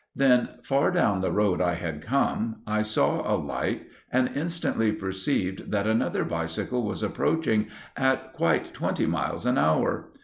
Then, far down the road I had come, I saw a light and instantly perceived that another bicycle was approaching at quite twenty miles an hour.